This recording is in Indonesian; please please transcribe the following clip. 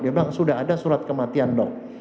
dia bilang sudah ada surat kematian dok